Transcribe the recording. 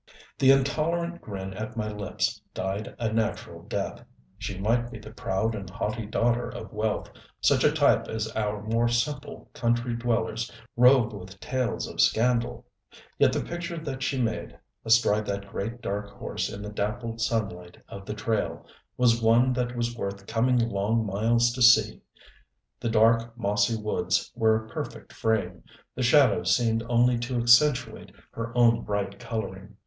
The intolerant grin at my lips died a natural death. She might be the proud and haughty daughter of wealth, such a type as our more simple country dwellers robe with tales of scandal, yet the picture that she made astride that great, dark horse in the dappled sunlight of the trail was one that was worth coming long miles to see. The dark, mossy woods were a perfect frame, the shadows seemed only to accentuate her own bright coloring.